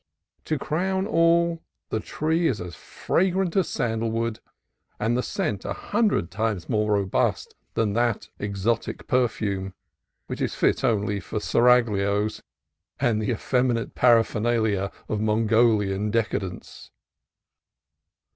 To crown all, the tree is as fragrant as sandalwood, and the scent a hundred times more ro bust than that exotic perfume, which is fit only for seraglios and the effeminate paraphernalia of Mon golian decadence.